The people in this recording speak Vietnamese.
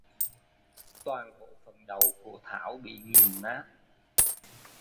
Toàn bộ phần đầu của Thảo bị nghiền nát